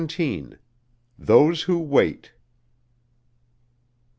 THOSE WHO WAIT.